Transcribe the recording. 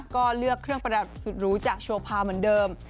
ก็เลือกเครื่องประดับสุดรู้จากโชพาเหมือนเดิม